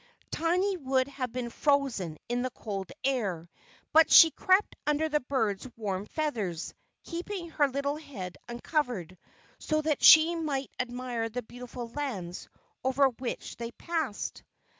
Tiny would have been frozen in the cold air, but she crept under the bird's warm feathers, keeping her little head uncovered, so that she might admire the beautiful lands over which they passed.